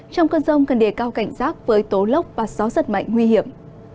trong cơn rồng cần đề cao cảnh rác với tố lốc và gió giật mạnh nguy hiểm